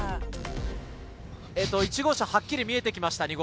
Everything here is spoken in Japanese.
１号車、はっきり見えてきました。